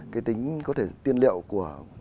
cái tính có thể tiên liệu của